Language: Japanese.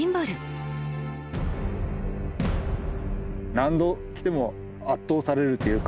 何度来ても圧倒されるというか